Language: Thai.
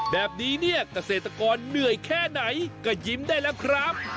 แบบนี้เนี่ยเกษตรกรเหนื่อยแค่ไหนก็ยิ้มได้แล้วครับ